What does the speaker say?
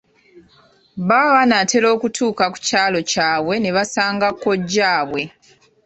Baba banaatera okutuuka ku kyalo kyabwe ne basanga kojjaabwe.